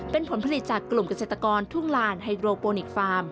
เป็นผลผลิตจากกลุ่มเกษตรกรทุ่งลานไฮโดรโปนิกฟาร์ม